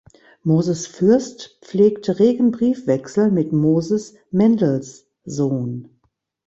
Moses Fürst pflegte regen Briefwechsel mit Moses Mendelssohn.